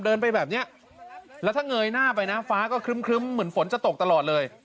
เดินไปแบบเนี้ยแล้วถ้าเงยหน้าไปนะฟ้าก็ครึ้มเหมือนฝนจะตกตลอดเลย